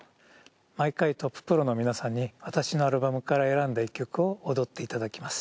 毎回トッププロの皆さんに私のアルバムから選んだ１曲を踊っていただきます。